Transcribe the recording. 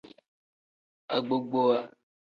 Agbogbowa.